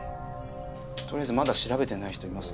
取りあえずまだ調べてない人います？